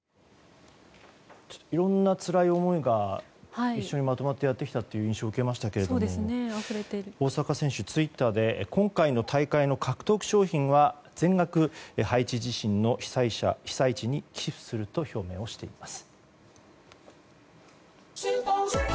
いろんなつらい思いが一緒にまとまってやってきたという印象を受けましたけど大坂選手、ツイッターで今回の大会の獲得賞金は全額ハイチ地震の被災者・被災地に寄付すると表明をしています。